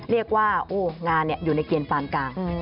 เรียกว่างานอยู่ในเกณฑ์ปานกลาง